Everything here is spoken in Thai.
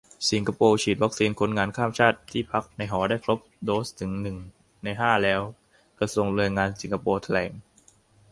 สิงคโปร์ฉีดวัคซีนคนงานข้ามชาติที่พักในหอได้ครบโดสถึงหนึ่งในห้าแล้ว - กระทรวงแรงงานสิงคโปร์แถลง